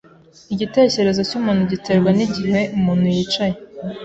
Igitekerezo cyumuntu giterwa nigihe umuntu yicaye.